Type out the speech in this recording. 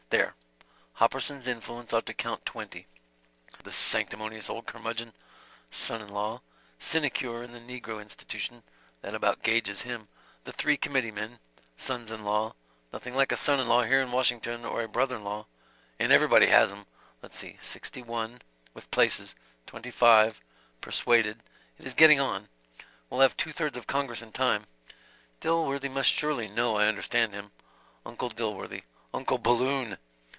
There .... Hopperson's influence ought to count twenty ... the sanctimonious old curmudgeon. Son in law ... sinecure in the negro institution. ... That about gauges him. ... The three committeemen ... sons in law. Nothing like a son in law here in Washington or a brother in law. ... And everybody has 'em. .. .Let's see: ... sixty one. ... with places ... twenty five ... persuaded it is getting on; .... we'll have two thirds of Congress in time ... Dilworthy must surely know I understand him. Uncle Dilworthy .... Uncle Balloon!